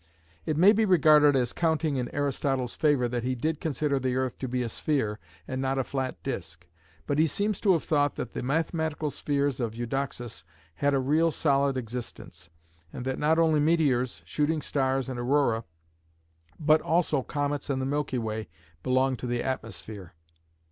It may be regarded as counting in Aristotle's favour that he did consider the earth to be a sphere and not a flat disc, but he seems to have thought that the mathematical spheres of Eudoxus had a real solid existence, and that not only meteors, shooting stars and aurora, but also comets and the milky way belong to the atmosphere.